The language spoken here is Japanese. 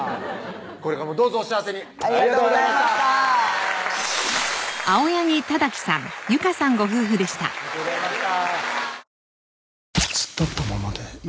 これからもどうぞお幸せにありがとうございましたありがとうございました